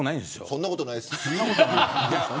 そんなことないです。